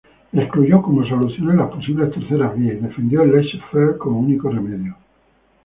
Excluyó como soluciones las posibles terceras vías y defendió el laissez-faire como único remedio.